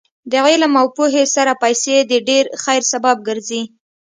د علم او پوهې سره پیسې د ډېر خیر سبب ګرځي.